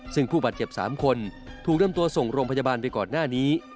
ซึ่งผู้บาดเจ็บ๓คนถูกนำตัวส่งโรงพยาบาลไปก่อนหน้านี้